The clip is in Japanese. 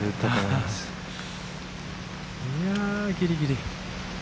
いや、ギリギリ。